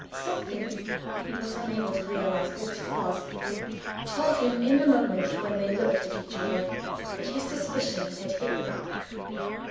Something he was unable to realize what it was told him, in the moment when they looked at each other, that his suspicion had hit the mark.